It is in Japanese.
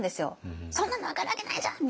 「そんなの分かるわけないじゃん！」